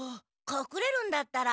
かくれるんだったら。